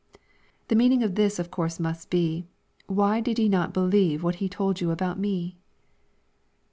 ] The meaning of this of course must be, "Why did ye not believe what he told you about me